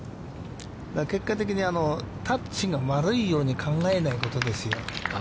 結果的にタッチが悪いように考えないことですよ。